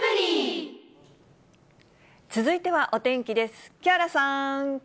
続いてはお天気です。